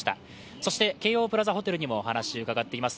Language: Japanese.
そして京王プラザホテルにもお話を伺っています。